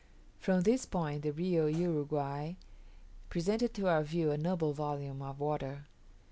From this point the Rio Uruguay presented to our view a noble volume of water.